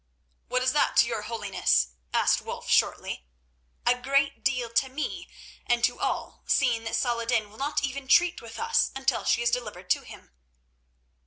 "What is that to your Holiness?" asked Wulf shortly. "A great deal, to me and to all, seeing that Saladin will not even treat with us until she is delivered to him."